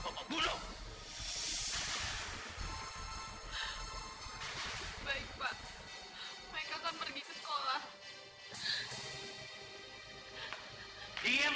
enggak mereka gak mau sekolah lagi